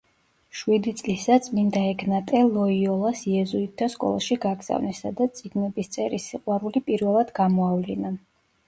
შვიდი წლისა წმინდა ეგნატე ლოიოლას იეზუიტთა სკოლაში გაგზავნეს, სადაც წიგნების წერის სიყვარული პირველად გამოავლინა.